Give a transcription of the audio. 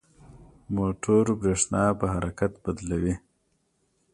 موټور برېښنا په حرکت بدلوي.